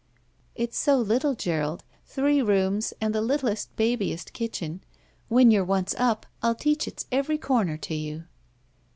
'' "It's so little, Gerald. Three rooms and the littlest, babiest kitchen. When you're once up, I'll teach its every comer to you."